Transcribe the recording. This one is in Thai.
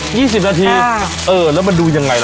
สิบนาทีค่ะเออแล้วมันดูยังไงล่ะ